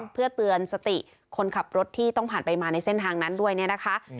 เพื่อเตือนสติคนขับรถที่ต้องผ่านไปมาในเส้นทางนั้นด้วยเนี่ยนะคะ